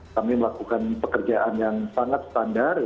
kami melakukan pekerjaan yang sangat standar